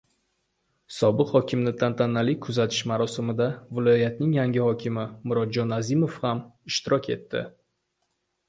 Sobiq hokimni tantanali kuzatish marosimida viloyatning yangi hokimi Murodjon Azimov ham ishtirok etdi.